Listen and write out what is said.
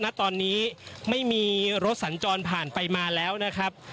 ณตอนนี้ไม่มีรถสัญจรผ่านไปมาแล้วนะครับ